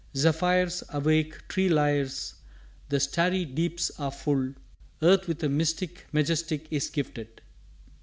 Zephyrs awake tree lyres, The starry deeps are full, Earth with a mystic majesty is gifted.